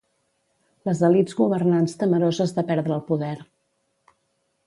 Les elits governants temeroses de perdre el poder